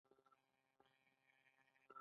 لومړی د خاص حالت لاس ته راوړل دي.